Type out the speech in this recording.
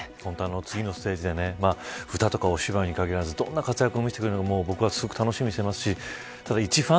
次のステージでね歌とかお芝居に限らずどんな活躍を見せてくれるのか楽しみにしていますしただ、いちファン